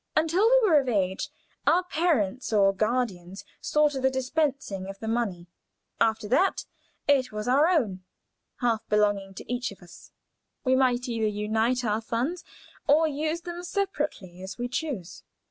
Until we were of age, our parents or guardians saw to the dispensing of the money, after that it was our own half belonging to each of us; we might either unite our funds or use them separately as we choose.